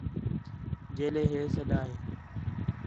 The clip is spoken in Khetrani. جیلے ہے سݙا ہِے